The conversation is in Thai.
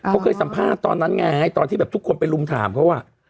เขาเคยสัมภาษณ์ตอนนั้นไงตอนที่แบบทุกคนไปลุมถามเขา